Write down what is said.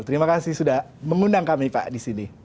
terima kasih sudah mengundang kami pak di sini